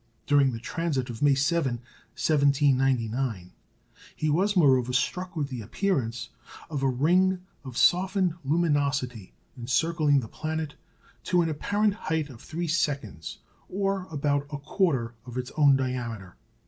During the transit of May 7, 1799, he was, moreover, struck with the appearance of a ring of softened luminosity encircling the planet to an apparent height of three seconds, or about a quarter of its own diameter.